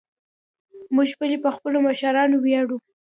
موږ ولې په خپلو مشرانو ویاړو؟